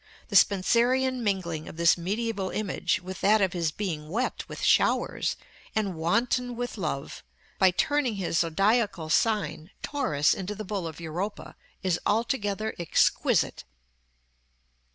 The Spenserian mingling of this mediæval image with that of his being wet with showers, and wanton with love, by turning his zodiacal sign, Taurus, into the bull of Europa, is altogether exquisite.